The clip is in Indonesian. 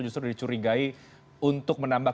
justru dicurigai untuk menambah